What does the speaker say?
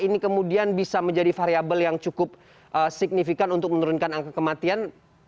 ini kemudian bisa menjadi variable yang cukup signifikan untuk menurunkan angka kematian